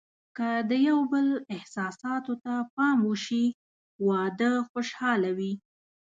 که د یو بل احساساتو ته پام وشي، واده خوشحاله وي.